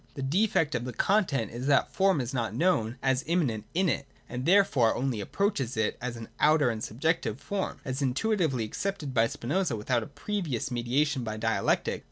The defect of the content is that the form is not known as immanent in it, and there fore only approaches it as an outer and subjective form. As intuitively accepted by Spinoza without a previous me diation by dialectic.